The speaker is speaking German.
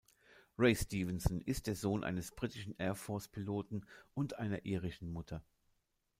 Ray Stevenson ist der Sohn eines britischen Air-Force-Piloten und einer irischen Mutter.